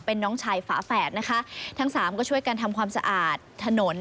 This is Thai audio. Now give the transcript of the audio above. เป็นน้องชายฝาแฝดนะคะทั้งสามก็ช่วยกันทำความสะอาดถนน